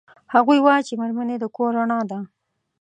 هغوی وایي چې میرمنې د کور رڼا ده